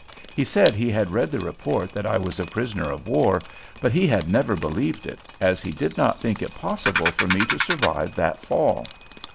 He said he had read the report that I was a prisoner of war, but he had never believed it, as he did not think it possible for me to survive that fall.